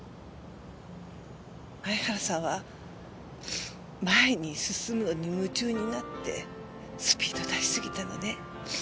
前原さんは前に進むのに夢中になってスピード出しすぎたのね。